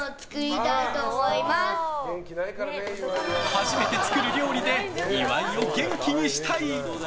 初めて作る料理で岩井を元気にしたい。